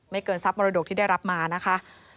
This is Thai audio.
เกินทรัพย์มรดกที่ได้รับมานะคะ